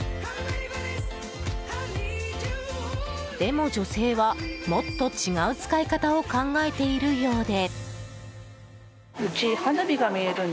でも女性は、もっと違う使い方を考えているようで。